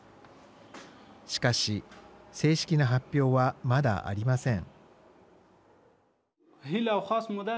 しかし正式な発表はまだありません。